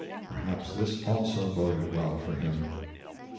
Perhaps this also boded well for him.